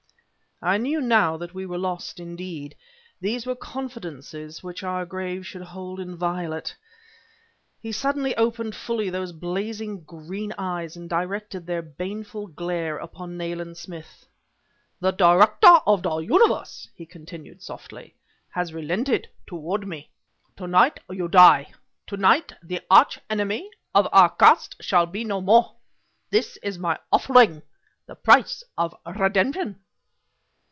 I knew now that we were lost, indeed; these were confidences which our graves should hold inviolate! He suddenly opened fully those blazing green eyes and directed their baneful glare upon Nayland Smith. "The Director of the Universe," he continued, softly, "has relented toward me. To night, you die! To night, the arch enemy of our caste shall be no more. This is my offering the price of redemption..."